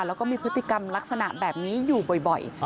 แล้วก็มีพฤติกรรมลักษณะแบบนี้อยู่บ่อย